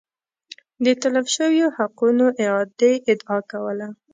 د تلف شویو حقونو اعادې ادعا کوله